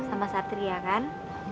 sama satri ya kan